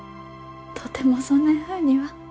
とてもそねんふうには。